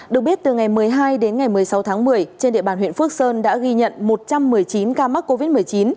được biết từ ngày một mươi hai đến ngày một mươi sáu tháng một mươi trên địa bàn huyện phước sơn đã ghi nhận một trăm một mươi chín ca mắc covid một mươi chín